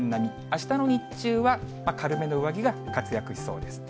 あしたの日中は、軽めの上着が活躍しそうです。